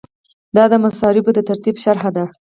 دا د مصارفو د ترتیب شرحه ده.